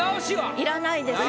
要らないですよ。